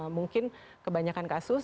mungkin kebanyakan kasus